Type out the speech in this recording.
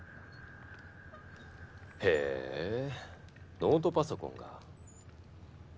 へえノートパソコンが。